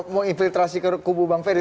mau infiltrasi ke kubu bang ferry